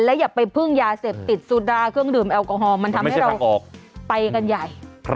อย่าไปพึ่งยาเสพติดสุดาเครื่องดื่มแอลกอฮอลมันทำให้เราออกไปกันใหญ่